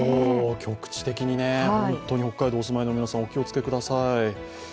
局地的にね、本当に北海道にお住まいの皆さん、お気をつけください。